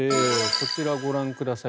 こちらをご覧ください。